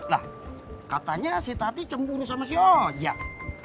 lah katanya si tati cemburu sama si ojak